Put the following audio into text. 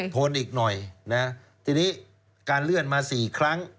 ทนอีกหน่อยทนอีกหน่อยทีนี้การเลื่อนมา๔ครั้ง